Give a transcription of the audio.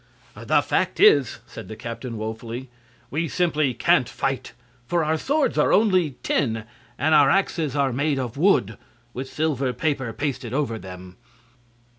"The fact is," said the captain, woefully, "we simply can't fight. For our swords are only tin, and our axes are made of wood, with silver paper pasted over them."